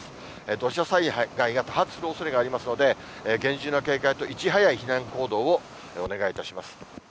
土砂災害が多発のおそれがありますけれども、厳重な警戒といち早い避難行動をお願いいたします。